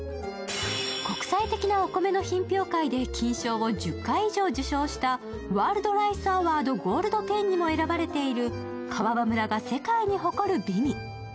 国際的なお米の品評会で金賞を１０回以上受賞したワールド・ライス・アワード・ゴールド１０にも選ばれている川場村が世界に誇る美味。